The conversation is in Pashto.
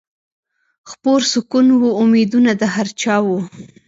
خپور سکون و امیدونه د هر چا وه